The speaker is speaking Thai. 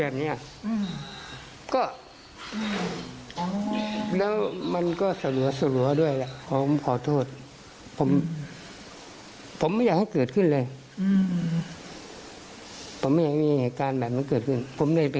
มีให้สัมภาษณ์กับนักค้า